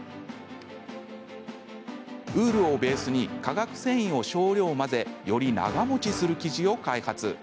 ウールをベースに化学繊維を少量混ぜより長もちする生地を開発。